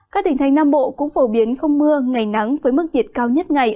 các tỉnh thành nam bộ cũng phổ biến không mưa ngày nắng với mức nhiệt cao nhất ngày